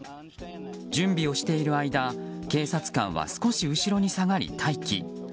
準備をしている間、警察官は少し後ろに下がり待機。